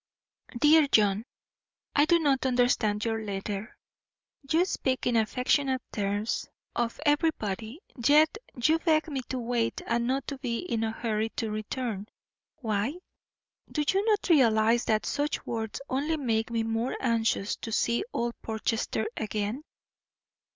DEAR JOHN: I do not understand your letter. You speak in affectionate terms of everybody, yet you beg me to wait and not be in a hurry to return. Why? Do you not realise that such words only make me the more anxious to see old Portchester again?